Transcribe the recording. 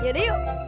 iya deh yuk